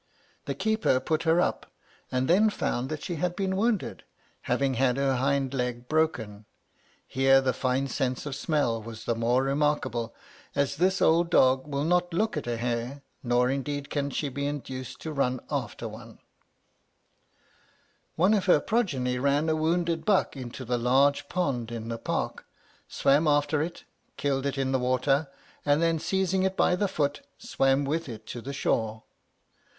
The keeper put her up, and then found that she had been wounded, having had her hind leg broken. Here the fine sense of smelling was the more remarkable, as this old dog will not look at a hare, nor indeed can she be induced to run after one. One of her progeny ran a wounded buck into the large pond in the Park, swam after it, killed it in the water, and then seizing it by the foot, swam with it to the shore.